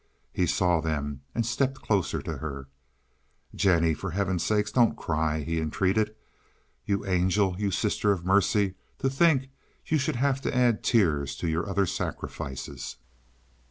He saw them and stepped close to her. "Jennie, for heaven's sake don't cry," he entreated. "You angel! You sister of mercy! To think you should have to add tears to your other sacrifices."